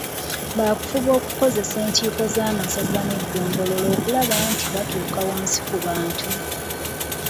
Baakufuba okukozesa enkiiko z'amasaza n'eggombolola okulaba nti batuuka wansi ku bantu.